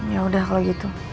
yaudah kalau gitu